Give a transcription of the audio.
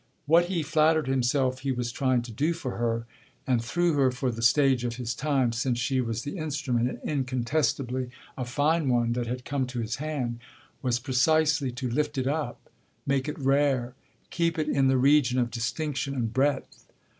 What he flattered himself he was trying to do for her and through her for the stage of his time, since she was the instrument, and incontestably a fine one, that had come to his hand was precisely to lift it up, make it rare, keep it in the region of distinction and breadth.